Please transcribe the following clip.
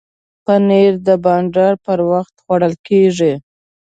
پنېر د بانډار پر وخت خوړل کېږي.